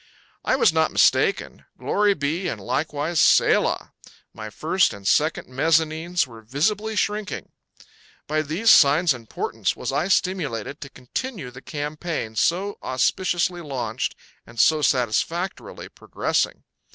I was not mistaken. Glory be and likewise selah! My first and second mezzanines were visibly shrinking. By these signs and portents was I stimulated to continue the campaign so auspiciously launched and so satisfactorily progressing.